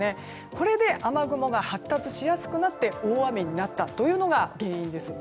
これで雨雲が発達しやすくなって大雨になったというのが原因です。